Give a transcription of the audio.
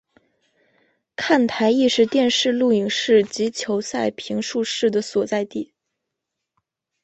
看台亦是电视录影室及球赛评述室的所在地。